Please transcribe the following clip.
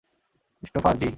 Christopher - জ্বী।